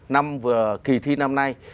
năm kỳ thi năm nay